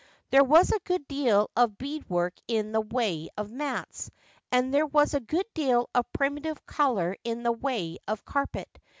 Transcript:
There was a good deal of bead work in the wav of mats, and there was a good deal of primitive colour in the wav of carpet.